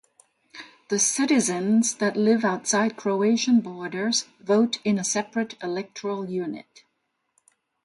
The citizens that live outside Croatian borders vote in a separate electoral unit.